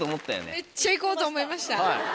めっちゃ行こうと思いました。